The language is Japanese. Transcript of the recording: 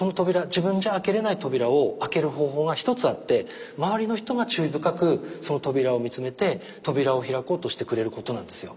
自分じゃ開けれない扉を開ける方法が一つあって周りの人が注意深くその扉を見つめて扉を開こうとしてくれることなんですよ。